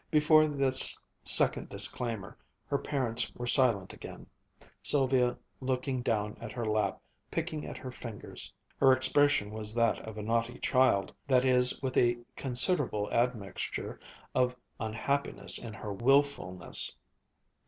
Before this second disclaimer, her parents were silent again, Sylvia looking down at her lap, picking at her fingers. Her expression was that of a naughty child that is, with a considerable admixture of unhappiness in her wilfulness.